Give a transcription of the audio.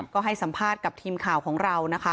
ก็ให้สัมภาษณ์กับทีมข่าวของเรานะคะ